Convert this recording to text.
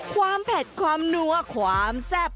ความแผดความหนัวกว่ามแซ่บ